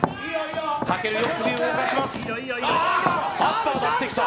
武尊、よく首を動かします。